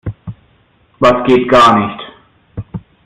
Was geht gar nicht?